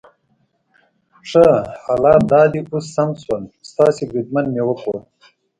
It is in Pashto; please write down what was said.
ښه، حالات دا دي اوس سم شول، ستاسي بریدمن مې وکوت.